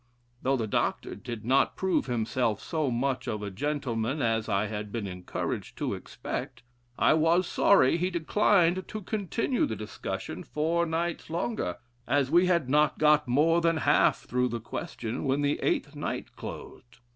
"Though the Doctor did not prove himself so much of a gentleman as I had been encouraged to expect, I was sorry he declined to continue the discussion four nights longer, as we had not got more than half through the question when the eighth night closed.